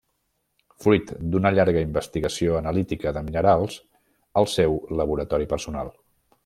Fruit d'una llarga investigació analítica de minerals al seu laboratori personal.